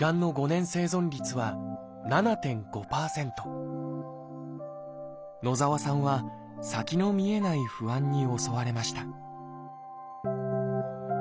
当時野澤さんは先の見えない不安に襲われました